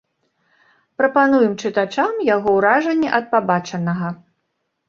Прапануем чытачам яго ўражанні ад пабачанага.